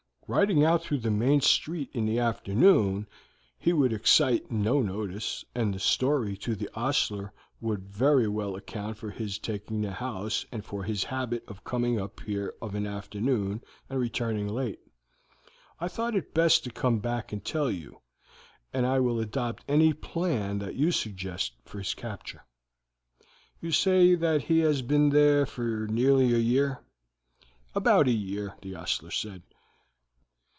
Riding out through the main street in the afternoon he would excite no notice, and the story to the ostler would very well account for his taking the house and for his habit of coming up here of an afternoon and returning late. I thought it best to come back and tell you, and I will adopt any plan that you suggest for his capture." "You say that he has been there for nearly a year?" "About a year, the ostler said."